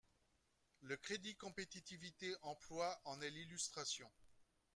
Le crédit compétitivité emploi en est l’illustration.